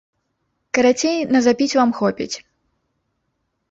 Карацей, на запіць вам хопіць.